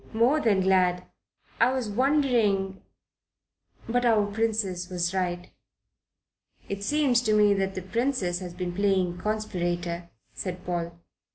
"More than glad. I was wondering ... but our dear Princess was right." "It seems to me that the Princess has been playing conspirator," said Paul.